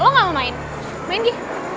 lo gak mau main main di